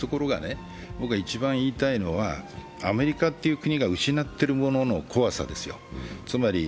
僕が一番言いたいのは、アメリカという国が失ってるものの怖さですよ